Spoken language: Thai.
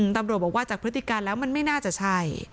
ตำรวจบอกว่าจากพฤติการแล้วมันไม่น่าจะใช่